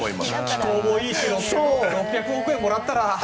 気候もいいし６００億円もらったら。